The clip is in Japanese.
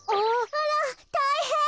あらたいへん！